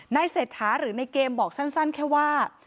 เศรษฐาหรือในเกมบอกสั้นแค่ว่า